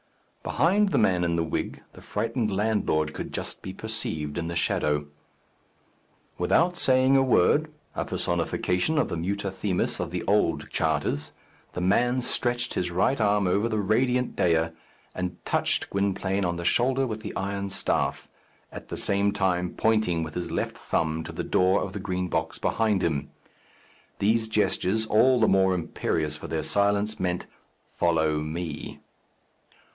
Behind the man in the wig, the frightened landlord could just be perceived in the shadow. Without saying a word, a personification of the Muta Themis of the old charters, the man stretched his right arm over the radiant Dea, and touched Gwynplaine on the shoulder with the iron staff, at the same time pointing with his left thumb to the door of the Green Box behind him. These gestures, all the more imperious for their silence, meant, "Follow me."